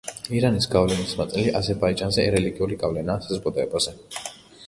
ირანის გავლენის ნაწილი აზერბაიჯანზე რელიგიური გავლენაა საზოგადოებაზე.